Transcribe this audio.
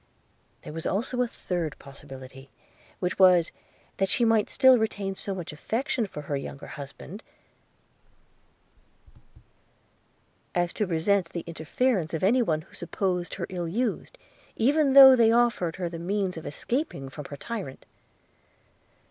There was also a third possibility, which was, that she might still retain so much affection for her younger husband, as to resent the interference of any one who supposed her ill used, even though they offered her the means of escaping from her tyrant.